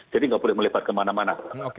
jadi nggak boleh melebar kemana mana